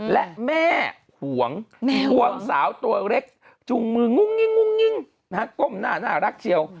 และแม่หวงหวงสาวตัวเล็กจุงมืองุ้งอยิ๊งต้องกร้อมหน้ารักเชียว